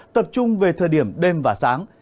tập trung về thời điểm đêm và sáng